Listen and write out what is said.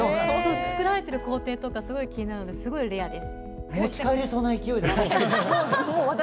作られてる工程とかすごい気になるのですごいレアです。